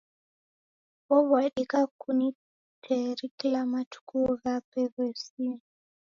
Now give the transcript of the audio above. Ow'adika kutineri kila matuku ghape ghesia.